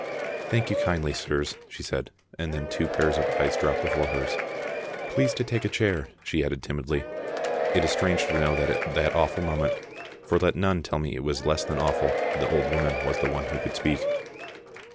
"Thank you kindly, sirs," she said; and then two pairs of eyes dropped before hers. "Please to take a chair," she added timidly. It is strange to know that at that awful moment, for let none tell me it was less than awful, the old woman was the one who could speak.